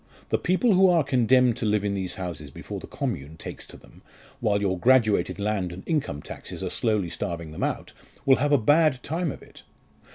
The people who are condemned to live in these houses before the Commune takes to them, while your graduated land and income taxes are slowly starving them out, will have a bad time of it."